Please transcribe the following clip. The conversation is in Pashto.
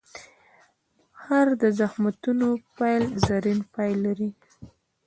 هر د زخمتونو پیل، زرین پای لري.